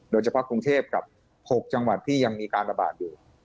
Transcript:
โดยเฉพาะกรุงเทพกับ๖จังหวัดที่ยังมีการระบาดอยู่